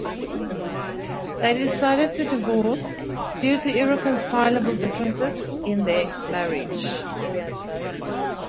They decided to divorce due to irreconcilable differences in their marriage.